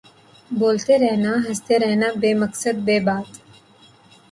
بولتے رہنا ہنستے رہنا بے مقصد بے بات